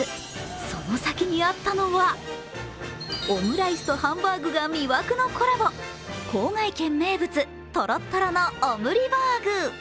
その先にあったのはオムライスとハンバーグが魅惑のコラボ、笄軒名物、とろっとろのオムリバーグ。